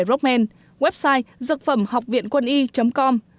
rockman website dược phẩm học viện quân y com